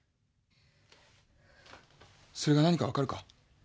それが何か分かるか？